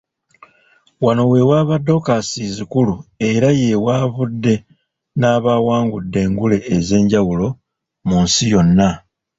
Wano we wava Docus Inzikuru era ye wavudde n'abawangudde engule ez'enjawulo mu nsi yonna.